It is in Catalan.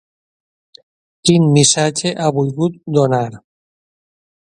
Quin missatge ha volgut donar?